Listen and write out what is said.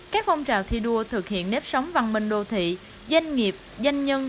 các phong trào thi đua thực hiện nếp sống văn minh đô thị doanh nghiệp doanh nhân